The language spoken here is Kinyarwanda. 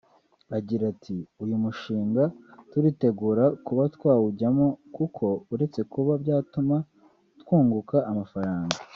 Agira ati “Uyu mushinga turiteguye kuba twawujyamo kuko uretse kuba byatuma twunguka amafaranga